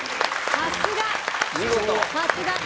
さすが！